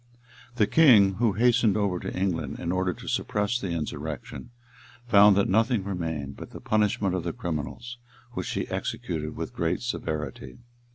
] The king, who hastened over to England in order to suppress the insurrection, found that nothing remained but the punishment of the criminals, which he executed with great severity.